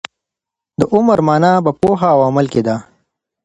د عمر مانا په پوهه او عمل کي ده.